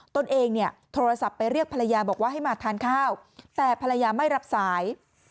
ตนเองเนี่ยโทรศัพท์ไปเรียกภรรยาบอกว่าให้มาทานข้าวแต่ภรรยาไม่รับสาย